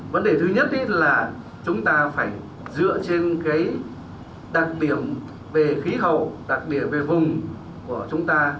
vấn đề thứ nhất là chúng ta phải dựa trên cái đặc điểm về khí hậu đặc địa về vùng của chúng ta